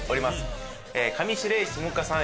上白石萌歌さん